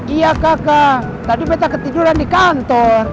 iya kakak tadi peta ketiduran di kantor